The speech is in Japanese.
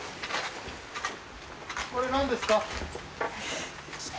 これ何ですか？